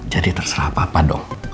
jadi terserah papa dong